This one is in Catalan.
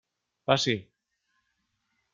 Passi.